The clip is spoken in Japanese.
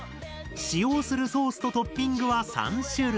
使用するソースとトッピングは３種類！